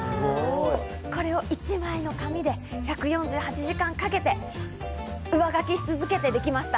これを１枚の紙で１４８時間かけて上書きし続けて出来ました。